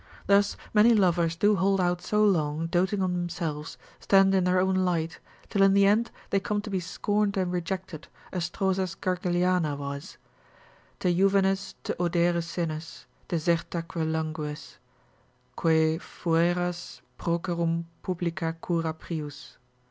Thus many lovers do hold out so long, doting on themselves, stand in their own light, till in the end they come to be scorned and rejected, as Stroza's Gargiliana was, Te juvenes, te odere senes, desertaque langues, Quae fueras procerum publica cura prius.